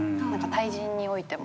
対人においても。